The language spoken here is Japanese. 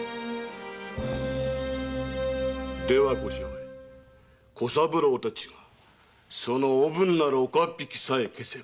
では御支配小三郎たちがその“おぶん”なる岡っ引きさえ消せば？